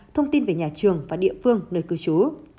thông tin về nhà trường và địa phương nơi cư trú